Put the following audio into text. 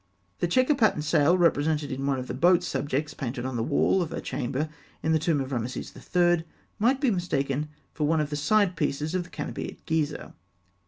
The chequer patterned sail represented in one of the boat subjects painted on the wall of a chamber in the tomb of Rameses III. (fig. 274), might be mistaken for one of the side pieces of the canopy at Gizeh.